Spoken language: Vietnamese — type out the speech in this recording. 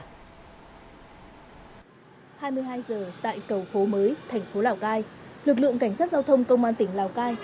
hai mươi hai h tại cầu phố mới thành phố lào cai lực lượng cảnh sát giao thông công an tỉnh lào cai